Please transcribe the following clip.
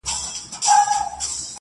موږه تل د نورو پر پلو پل ږدو حرکت کوو_